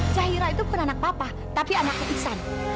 zahira itu pun anak papa tapi anaknya iksan